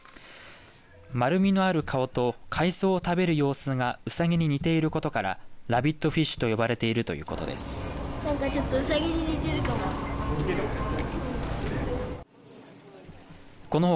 丸みのある顔と海草を食べる様子がうさぎに似ていることからラビットフィッシュと呼ばれているということです。